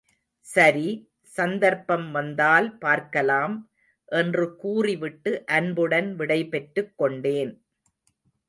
சரி, சந்தர்ப்பம் வந்தால் பார்க்கலாம், என்று கூறிவிட்டு அன்புடன் விடைபெற்றுக் கொண்டேன்.